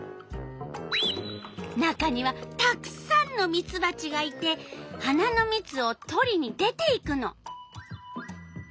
中にはたくさんのミツバチがいて花のみつをとりに出ていくの。